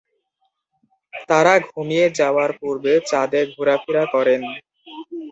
তারা ঘুমিয়ে যাওয়ার পূর্বে চাঁদে ঘুরা-ফিরা করেন।